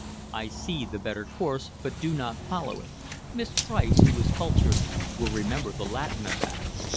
"I see the better course, but do not follow it. Miss Price, who is cultured, will remember the Latin of that."